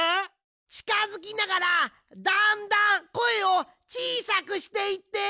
ちかづきながらだんだんこえをちいさくしていって！